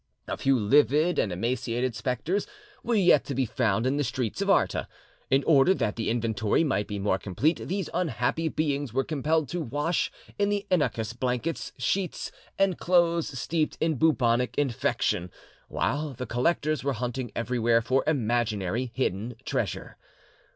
A few livid and emaciated spectres were yet to be found in the streets of Arta. In order that the inventory might be more complete, these unhappy beings were compelled to wash in the Inachus blankets, sheets, and clothes steeped in bubonic infection, while the collectors were hunting everywhere for imaginary hidden treasure.